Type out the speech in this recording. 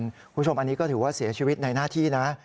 คุณผู้ชมอันนี้ก็ถือว่าเสียชีวิตในหน้าที่นะ